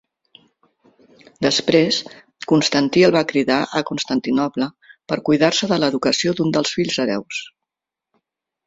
Després, Constantí el va cridar a Constantinoble per cuidar-se de l'educació d'un dels fills hereus.